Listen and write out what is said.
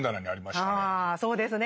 あそうですね。